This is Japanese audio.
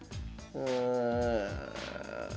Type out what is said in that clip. うん。